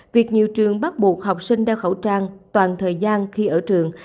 việc nhiều trường bắt buộc học sinh đeo khẩu trang toàn thời gian khi ở trường